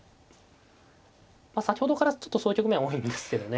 先ほどからちょっとそういう局面多いんですけどね。